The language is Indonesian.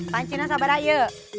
pancinya sabar aja